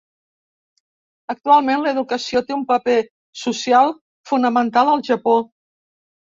Actualment, l'educació té un paper social fonamental al Japó.